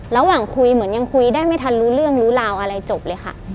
ระหว่างคุยเหมือนยังคุยได้ไม่ทันรู้เรื่องรู้ราวอะไรจบเลยค่ะ